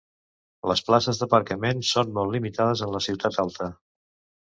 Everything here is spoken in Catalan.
Les places d'aparcament són molt limitades en la ciutat alta.